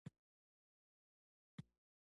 بالاکرزی صاحب له حج څخه تازه راغلی و.